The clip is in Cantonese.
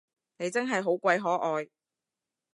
你真係好鬼可愛